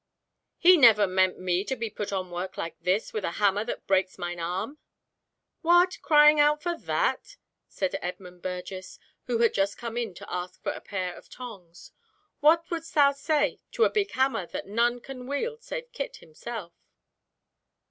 "He never meant me to be put on work like this, with a hammer that breaks mine arm." "What! crying out for that!" said Edmund Burgess, who had just come in to ask for a pair of tongs. "What wouldst say to the big hammer that none can wield save Kit himself?"